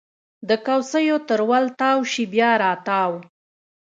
د کوڅېو تر ول تاو شي بیا راتاو